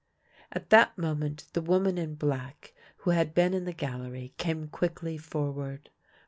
At that moment the woman in black who had been in the gallery came quickly forward.